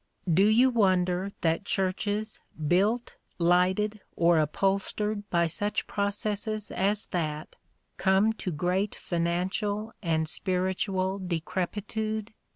Do you wonder that churches built, lighted, or upholstered by such processes as that come to great financial and spiritual decrepitude?